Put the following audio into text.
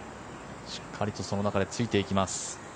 しっかりとその中でついていきます。